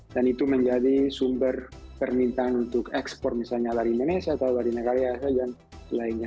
dan itu menjadi sumber permintaan untuk ekspor misalnya dari indonesia atau dari negara asia